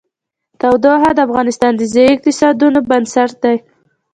تودوخه د افغانستان د ځایي اقتصادونو بنسټ دی.